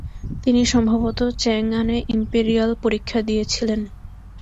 তিনি সম্ভবত চ্যাংআনে ইম্পেরিয়াল পরীক্ষা দিয়েছিলেন ।